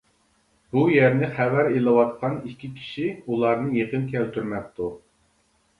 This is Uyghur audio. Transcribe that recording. بۇ يەرنى خەۋەر ئېلىۋاتقان ئىككى كىشى ئۇلارنى يېقىن كەلتۈرمەپتۇ.